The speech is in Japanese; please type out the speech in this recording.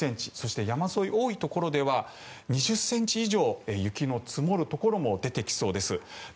そして山沿い、多いところでは２０ｃｍ以上雪の積もるところも出てきそうです。